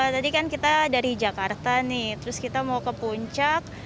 tadi kan kita dari jakarta nih terus kita mau ke puncak